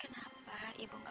kau ada ke masa